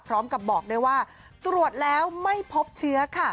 พร้อมกับบอกได้ว่าตรวจแล้วไม่พบเชื้อค่ะ